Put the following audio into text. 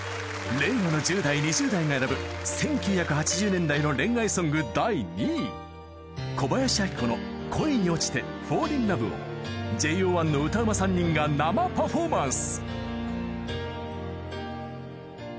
令和の１０代２０代が選ぶ１９８０年代の恋愛ソング第２位小林明子の『恋におちて −Ｆａｌｌｉｎｌｏｖｅ−』を ＪＯ１ の歌うま３人が生パフォーマンス